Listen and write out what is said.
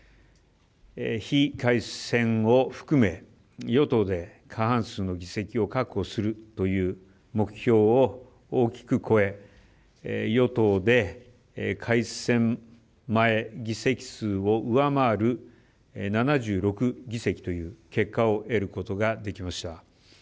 非改選を含め与党で過半数の議席を確保するという目標を大きく超え与党で改選前議席数を上回る７６議席という結果を得ることができました。